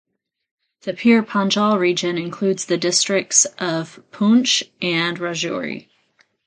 The Pir Panjal Region includes the districts of Poonch and Rajouri.